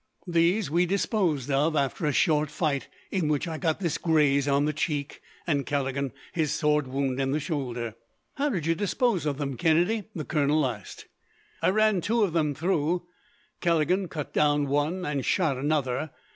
These we disposed of, after a short fight, in which I got this graze on the cheek, and Callaghan his sword wound in the shoulder." "How did you dispose of them, Kennedy?" the colonel asked. "I ran two of them through. Callaghan cut down one, and shot another.